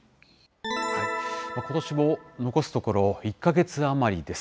ことしも残すところ１か月余りです。